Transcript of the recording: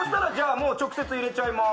もう、直接入れちゃいまーす。